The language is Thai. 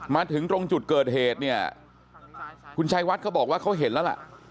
มาถึงตรงจุดเกิดเหตุเนี่ยคุณชัยวัดเขาบอกว่าเขาเห็นแล้วล่ะ